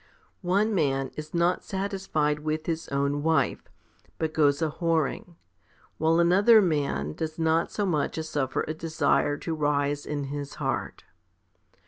25. One man is not satisfied with his own wife, but goes a whoring, while another does not so much as suffer a desire to rise in his heart.